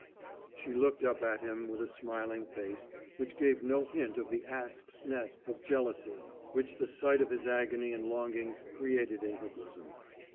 She looked up at him with a smiling face which gave no hint of the asp's nest of jealousy which the sight of his agony and longing created in her bosom.